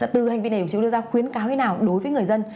từ hành vi này đồng chí có đưa ra khuyến cáo thế nào đối với người dân